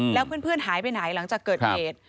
แล้วเพื่อนหายไปไหนหลังจากเกิดเหตุ